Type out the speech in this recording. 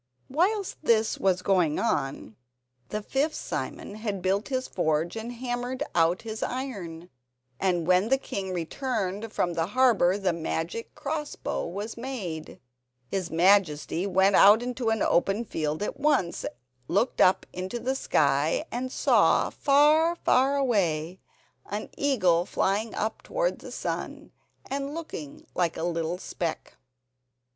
Whilst this was going on the fifth Simon had built his forge and hammered out his iron, and when the king returned from the harbour the magic cross bow was made. His Majesty went out into an open field at once, looked up into the sky and saw, far, far away, an eagle flying up towards the sun and looking like a little speck.